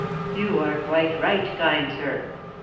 "You are quite right, kind sir!